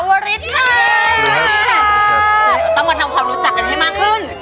คือต้องก็ทำเค้านุทรักมันให้มากขึ้น